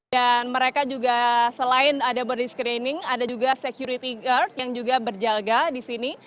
dan mereka juga selain ada body screening ada juga security guard yang juga berjaga di sini